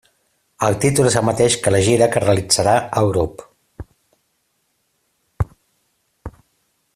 El títol és el mateix que la gira que realitzarà el grup.